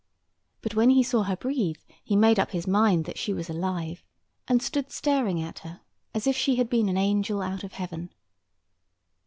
But when he saw her breathe, he made up his mind that she was alive, and stood staring at her, as if she had been an angel out of heaven.